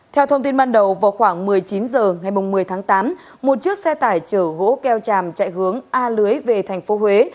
theo thông tin ban đầu vào khoảng một mươi chín h ngày một mươi tháng tám một chiếc xe tải chở gỗ keo tràm chạy hướng a lưới về tp huế